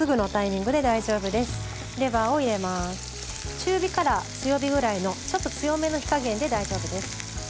中火から強火ぐらいのちょっと強めの火加減で大丈夫です。